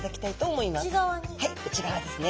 はい内側ですね。